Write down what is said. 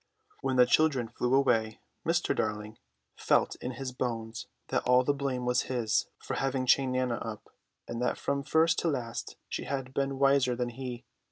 When the children flew away, Mr. Darling felt in his bones that all the blame was his for having chained Nana up, and that from first to last she had been wiser than he.